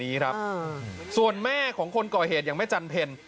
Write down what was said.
น่ะส่วนแม่คนก่อเหตุอย่างแม่จรรเภณ